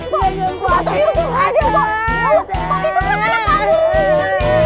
pokoknya kejar malam aku